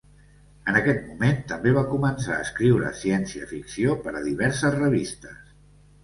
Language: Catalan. En aquest moment també va començar a escriure ciència ficció per a diverses revistes.